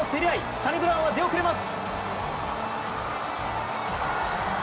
サニブラウンは出遅れます。